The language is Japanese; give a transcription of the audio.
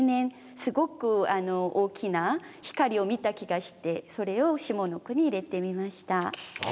すごく大きな光を見た気がしてそれを下の句に入れてみました。